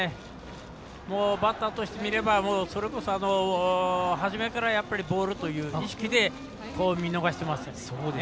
バッターとしてみればそれこそ、はじめからボールという意識で見逃していますよね。